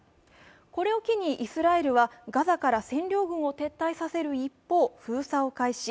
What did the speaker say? これを機にイスラエルはガザから占領軍を撤退させる一方、封鎖を開始。